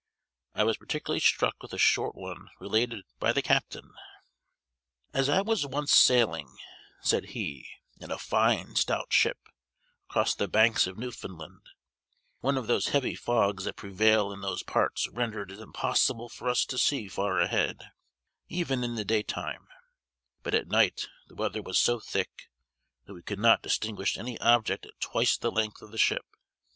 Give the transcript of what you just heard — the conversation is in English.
I was particularly struck with a short one related by the captain: "As I was once sailing," said he, "in a fine, stout ship, across the banks of Newfoundland, one of those heavy fogs that prevail in those parts rendered it impossible for us to see far ahead, even in the daytime; but at night the weather was so thick that we could not distinguish any object at twice the length of the ship.